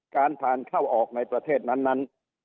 ขอออกในประเทศนั้น